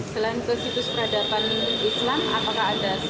selain ke situs peradaban islam apakah ada situs situs